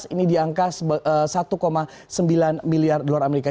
ini di angka satu sembilan miliar dolar amerika